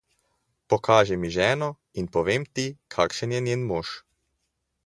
Pokaži mi ženo, in povem ti, kakšen je njen mož.